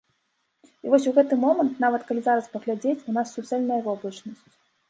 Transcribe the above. І вось у гэты момант, нават калі зараз паглядзець, у нас суцэльная воблачнасць.